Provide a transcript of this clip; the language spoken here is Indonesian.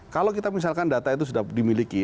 kalau kita misalkan data itu sudah dimiliki